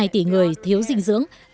hai tỷ người thiếu dinh dưỡng